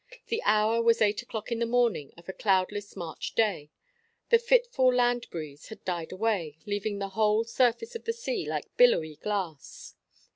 The hour was eight o'clock in the morning of a cloudless March day; the fitful land breeze had died away, leaving the whole surface of the sea like billowy glass.